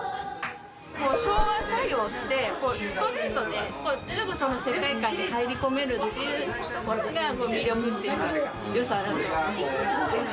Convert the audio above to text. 昭和歌謡ってストレートですぐその世界観に入り込めるっていうところが魅力っていうか良さだと思う。